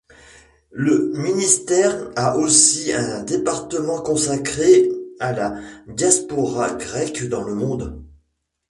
Le ministère a aussi un département consacré à la diaspora grecque dans le monde.